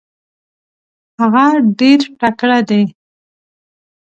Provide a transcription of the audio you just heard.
هغه ډېر تکړه دی.